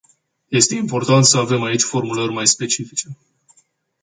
Este importat să avem aici formulări mai specifice.